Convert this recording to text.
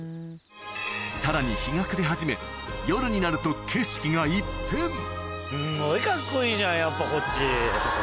さらに日が暮れ始めすごいカッコいいじゃんやっぱこっち。